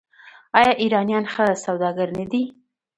آیا ایرانیان ښه سوداګر نه دي؟